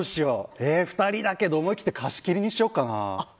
２人だけど思い切って貸し切りにしちゃおうかな。